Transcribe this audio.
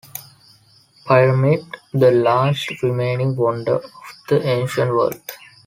Pyramid...the last remaining wonder of the ancient world.